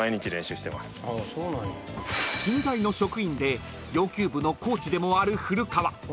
［近大の職員で洋弓部のコーチでもある古川］